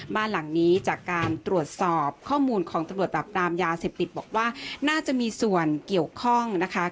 บ้านหลังนี้จากการตรวจสอบข้อมูลของตำรวจปรับปรามยาเสพติดบอกว่าน่าจะมีส่วนเกี่ยวข้องนะคะ